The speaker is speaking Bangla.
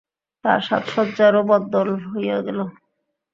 তার সাজসজ্জারও বদল হইয়া গেল।